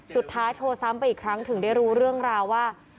สุดท้ายโทรซ้ำไปอีกครั้งถึงได้รู้เรื่องราวว่า